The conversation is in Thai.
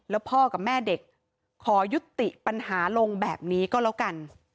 แล้วพ่อกับแม่เด็กขอยุติปัญหาลงแบบนี้ก็แล้วกัน